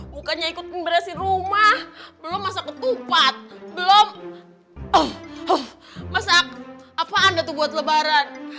bukannya ikut pemberesin rumah belum masak ketupat belum masak apa anda tuh buat lebaran